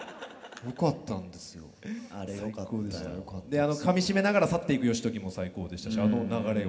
あのかみしめながら去っていく義時も最高でしたしあの流れを。